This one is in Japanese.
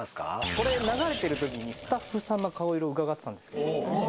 これ流れてる時にスタッフさんの顔色伺ってたんですけど・